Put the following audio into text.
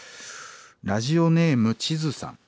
ラジオネームチズさん。